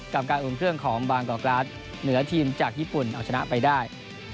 กับการอุ่นเครื่องของบางกอกกราศเหนือทีมจากญี่ปุ่นเอาชนะไปได้